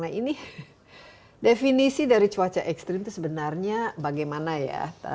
nah ini definisi dari cuaca ekstrim itu sebenarnya bagaimana ya